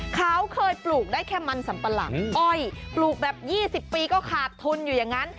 เขาเคยปลูกได้แค่มันสัมปะหลังอ้อยปลูกแบบ๒๐ปีก็ขาดทุนอยู่อย่างนั้น